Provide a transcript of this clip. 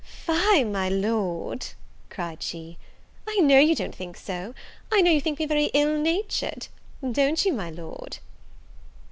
"O fie, my Lord," cried she, "I know you don't think so; I know you think me very ill natured; don't you, my Lord?"